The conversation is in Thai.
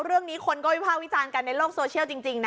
เรื่องนี้คนก็วิภาควิจารณ์กันในโลกโซเชียลจริงนะ